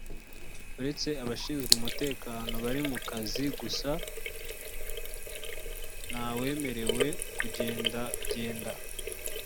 uretse abashinzwe umutekano bari mu kazi gusa ntawemerewe kugendagenda